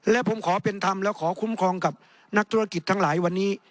และผมขอเป็นธรรมและขอคุ้มครองกับนักธุรกิจทั้งหลายวันนี้